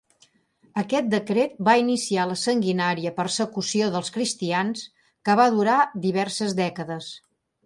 Aquest decret va iniciar la sanguinària persecució dels cristians, que va durar diverses dècades.